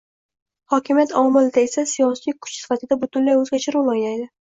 hokimiyat omilida esa siyosiy kuch sifatida butunlay o‘zgacha rol o‘ynaydi.